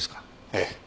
ええ。